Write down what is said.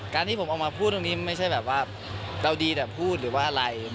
ที่ผมออกมาพูดตรงนี้ไม่ใช่แบบว่าเราดีแต่พูดหรือว่าอะไร